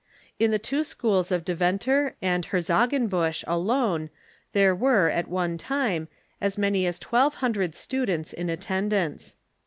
In the two schools of Deventer and Herzogenbusch alone there were, at one time, as many as twelve hundred students in attendance.